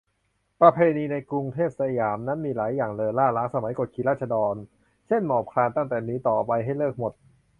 "ประเพณีในกรุงสยามนั้นมีหลายอย่างเล่อล่าล้าสมัย กดขี่ราษฎร เช่น หมอบคลาน ตั้งแต่นี้ต่อไปให้เลิกหมด"